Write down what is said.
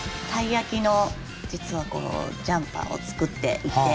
鯛焼の実はジャンパーを作っていて。